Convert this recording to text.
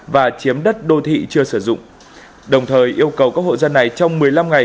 và chiếm đất đô thị chưa sử dụng đồng thời yêu cầu các hộ dân này trong một mươi năm ngày